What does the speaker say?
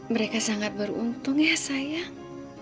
mereka sangat beruntung ya sayang